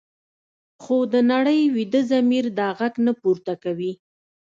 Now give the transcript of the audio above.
خو د نړۍ ویده ضمیر دا غږ نه پورته کوي.